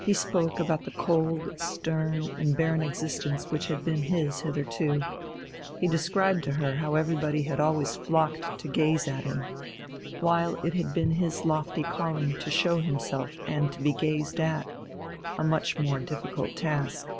He spoke about the cold, stern, and barren existence which had been his hitherto, he described to her how everybody had always flocked to gaze at him, while it had been his lofty calling to show himself and to be gazed at, a much more difficult task.